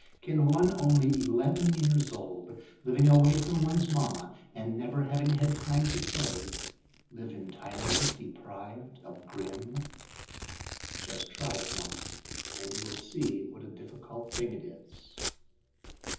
Can one only eleven years old, living away from one's mamma, and never having any time to play, live entirely deprived of Grimm? Just try it once and you will see what a difficult thing it is.